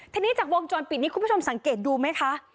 ทีนี้จากวงจรปิดนี้คุณผู้ชมสังเกตดูไหมคะ